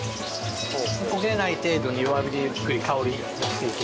焦げない程度に弱火でゆっくり香りのせていきます。